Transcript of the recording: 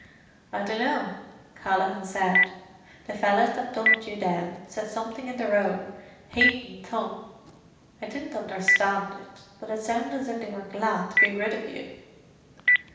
"I dunno," Callaghan said. "The fellas that dumped you down said something in their own haythin tongue. I didn't understand it, but it sounded as if they were glad to be rid of you."